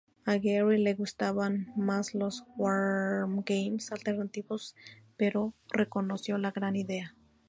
A Gary le gustaban más los wargames alternativos, pero reconoció la gran idea.